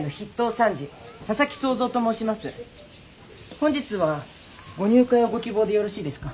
本日はご入会をご希望でよろしいですか？